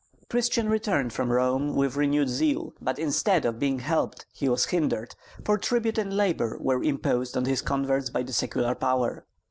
Christian returned from Rome with renewed zeal; but instead of being helped he was hindered, for tribute and labor were imposed on his converts by the secular power.